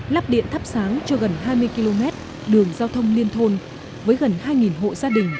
lắp điện thắp sáng cho gần hai mươi km đường giao thông liên thôn với gần hai hộ gia đình